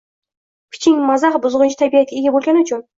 Piching, mazax buzg‘unchi tabiatga ega bo‘lgani uchun.